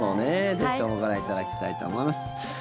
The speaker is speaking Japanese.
ぜひともご覧いただきたいと思います。